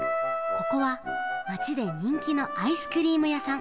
ここはまちでにんきのアイスクリームやさん